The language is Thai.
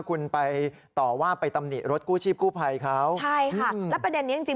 คุณไปต่อว่าไปตำหนิรถกู้ชีพกู้ภัยเขาใช่ค่ะแล้วประเด็นนี้จริงจริง